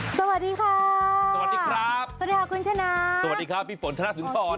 สวัสดีครับสวัสดีครับสวัสดีครับคุณชนะสวัสดีครับพี่ฝนธนาศึงธรรม